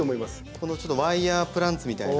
このワイヤープランツみたいな。